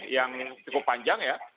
yang cukup panjang ya